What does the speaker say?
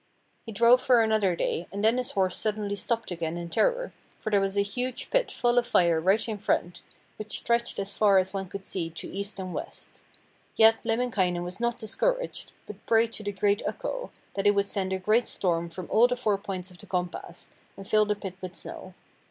He drove for another day and then his horse suddenly stopped again in terror, for there was a huge pit full of fire right in front, which stretched as far as one could see to east and west. Yet Lemminkainen was not discouraged, but prayed to great Ukko, that he would send a great storm from all the four points of the compass, and fill the pit with snow.